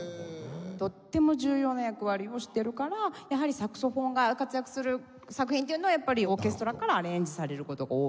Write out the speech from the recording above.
とっても重要な役割をしてるからやはりサクソフォンが活躍する作品っていうのはやっぱりオーケストラからアレンジされる事が多いかなと思いますね。